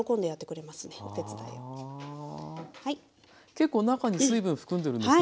結構中に水分含んでるんですね。